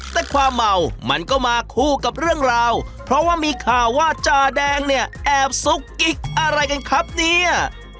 แต่ความเมามันก็มาคู่กับเรื่องราวเพราะว่ามีข่าวว่าจาแดงเนี่ยแอบซุกกิ๊กอะไรกันครับเนี่ย